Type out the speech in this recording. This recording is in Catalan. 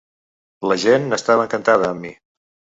La gent n’estava encantada, amb mi.